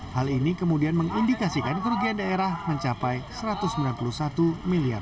hal ini kemudian mengindikasikan kerugian daerah mencapai rp satu ratus sembilan puluh satu miliar